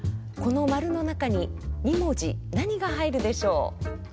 この○の中に２文字何が入るでしょう？